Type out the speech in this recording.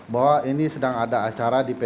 bahwa ini sedang ada acara di pt